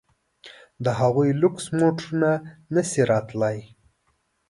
د هغوی لوکس موټرونه نه شي راتلای.